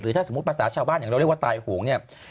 หรือถ้าสมมติประสาทชาวบ้านอย่างเราเรียกว่าตายโหง